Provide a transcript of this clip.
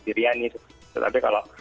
biryani tapi kalau